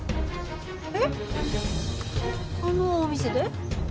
えっあのお店で？